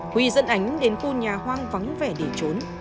huy dẫn ánh đến khu nhà hoang vắng vẻ để trốn